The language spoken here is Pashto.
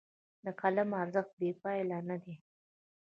د قلم ارزښت بې پایانه دی.